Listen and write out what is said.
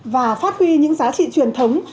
và phát huy những giá trị truyền thống